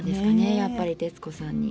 やっぱり徹子さんに。